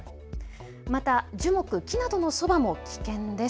また樹木、木などのそばも危険です。